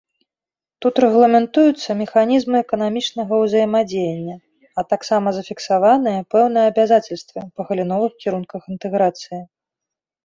Тут рэгламентуюцца механізмы эканамічнага ўзаемадзеяння, а таксама зафіксаваныя пэўныя абавязацельствы па галіновых кірунках інтэграцыі.